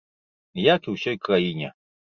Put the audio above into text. Як і ўсёй краіне.